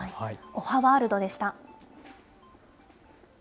おはワールドでした。